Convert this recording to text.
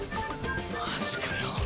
マジかよ。